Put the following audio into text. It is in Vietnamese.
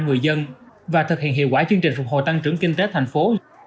người dân và thực hiện hiệu quả chương trình phục hồi tăng trưởng kinh tế thành phố